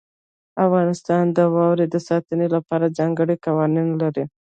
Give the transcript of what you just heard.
افغانستان د واورې د ساتنې لپاره ځانګړي قوانین لري.